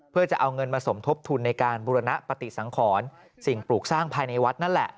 เพื่อจะเอาเงินมาสมทบทุนในการบุรณปฏิสังขรสิ่งปลูกสร้างภายในวัดนั่นแหละ